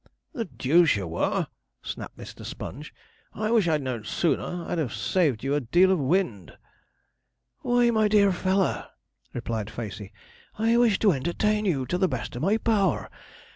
'The deuce you were!' snapped Mr. Sponge. 'I wish I'd known sooner: I'd have saved you a deal of wind.' 'Why, my dear feller,' replied Facey, 'I wished to entertain you the best in my power.